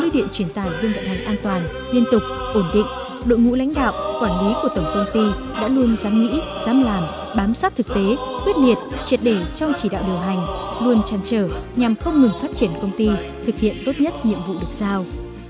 để trở thành an toàn liên tục ổn định đội ngũ lãnh đạo quản lý của tổng công ty đã luôn dám nghĩ dám làm bám sát thực tế quyết liệt triệt để cho chỉ đạo điều hành luôn chăn trở nhằm không ngừng phát triển công ty thực hiện tốt nhất nhiệm vụ được giao